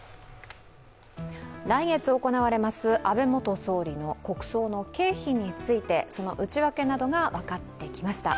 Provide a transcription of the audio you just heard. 来月行われます安倍元総理の国葬の経費について、その内訳などが分かってきました。